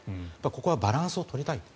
ここはバランスを取りたい。